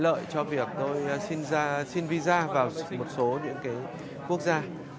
lợi cho việc tôi xin visa vào một số những cái quốc gia